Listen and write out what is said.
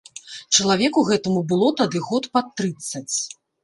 Чалавеку гэтаму было тады год пад трыццаць.